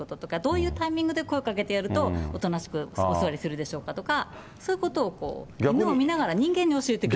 どういうタイミングで声かけてやるとおとなしくお座りするでしょうかとか、そういうことを見ながら、人間に教えてくれる。